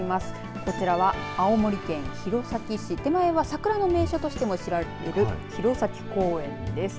こちらは青森県弘前市手前は桜の名所としても知られている弘前公園です。